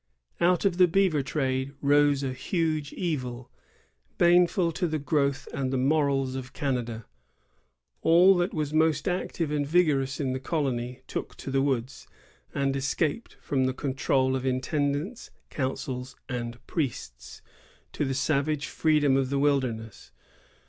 ^ Out of the beaver trade rose a huge evil, baneful to the growth and the morals of Canada. All that was most active and vigorous in the colony took to the woods, and escaped from the control of intend ants, councils, and priests, to the savage freedom of the wilderness.